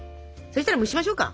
そしたら蒸しましょうか。